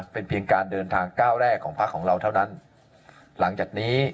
เป็นเพียงการเดินทางก้าวแรกของพักของเราเท่านั้นหลังจากนี้